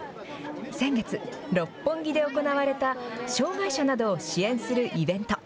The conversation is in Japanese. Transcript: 先月、六本木で行われた障害者などを支援するイベント。